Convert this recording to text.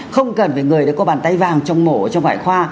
không cần phải người có bàn tay vàng trong mổ trong khoại khoa